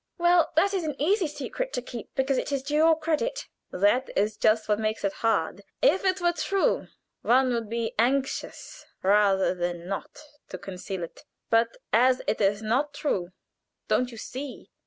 Well, that is an easy secret to keep, because it is to your credit." "That is just what makes it hard. If it were true, one would be anxious rather than not to conceal it; but as it is not true, don't you see?